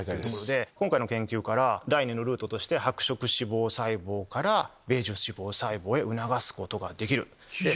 今回の研究から第２のルートとして白色脂肪細胞からベージュ脂肪細胞へ促すことができる。